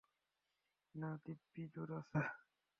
না, দিব্যি জোর আছে।